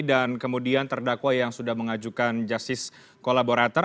dan kemudian terdakwa yang sudah mengajukan jasis kolaborator